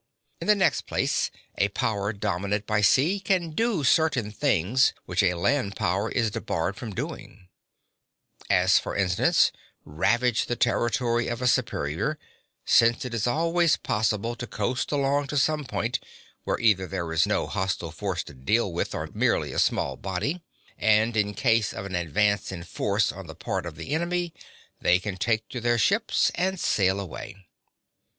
In the next place, a power dominant by sea can do certain things which a land power is debarred from doing; as for instance, ravage the territory of a superior, since it is always possible to coast along to some point, where either there is no hostile force to deal with or merely a small body; and in case of an advance in force on the part of the enemy they can take to their ships and sail away.